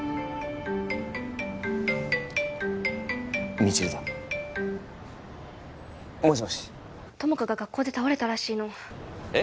未知留だもしもし友果が学校で倒れたらしいのえっ？